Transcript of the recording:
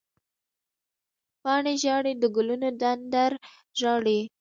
پاڼې ژاړې، د ګلونو ډنډر ژاړې